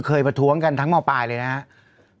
ประท้วงกันทั้งมปลายเลยนะครับ